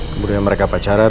kemudian mereka pacaran